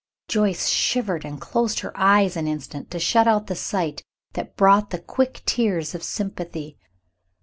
Joyce shivered and closed her eyes an instant to shut out the sight that brought the quick tears of sympathy.